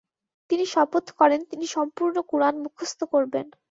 তিনি শপথ করেন তিনি সম্পূর্ণ কোরআন মুখস্থ করবেন।